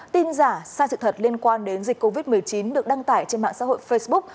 tin giả sai sự thật liên quan đến dịch covid một mươi chín được đăng tải trên mạng xã hội facebook